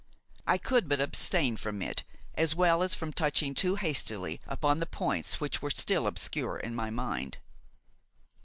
I could but abstain from it as well as from touching too hastily upon the points which were still obscure in my mind.